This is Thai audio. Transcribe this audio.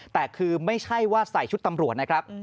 แต่คือไม่ใช่ว่าใส่ชุดตำรวจนะครับ